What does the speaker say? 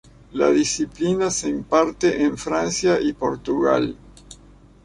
La disciplina se imparte en Francia y Portugal.